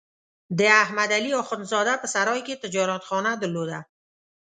د احمد علي اخوندزاده په سرای کې تجارتخانه درلوده.